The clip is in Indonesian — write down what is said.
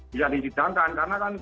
bisa dididangkan karena kan